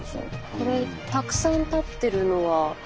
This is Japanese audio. これたくさん立ってるのは。